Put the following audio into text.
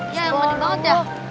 iya sedih banget ya